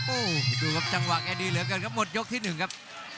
โอ้โหดูครับจังหวะแกดีเหลือเกินครับหมดยกที่หนึ่งครับ